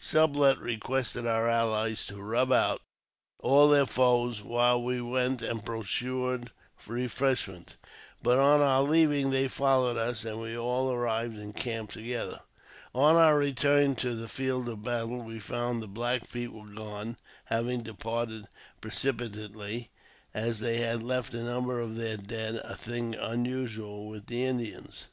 Sublet requested our allies " to rub out " all their foes while we went and procured refreshment ; but on our leaving, they followed us, and we all arrived in camp together. On our return to the field of battle we found the Black Feet were gone, having departed precipitately, as they had left a number of their dead, a thing unusual with the Indians.